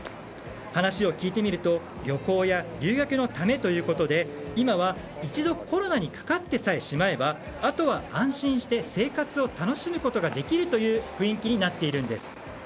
話を聞いてみると旅行や留学のためということで今は、一度コロナにかかってさえしまえばあとは安心して生活を楽しむことができるという雰囲気になっているんです。